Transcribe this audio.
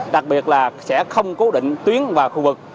đặc biệt là sẽ không cố định tuyến vào khu vực